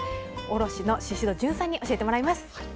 卸の宍戸純さんに教えてもらいます。